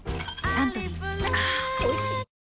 サントリーあぁおいしい！